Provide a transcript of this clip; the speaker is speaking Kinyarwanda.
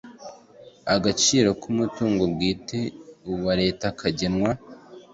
Agaciro k umutungo bwite wa Leta kagenwa